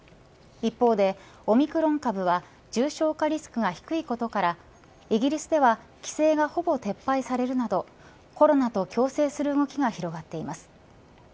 一方で、オミクロン株は重症化リスクが低いことからイギリスでは規制がほぼ撤廃されるなどコロナと共生する動きが広まっています。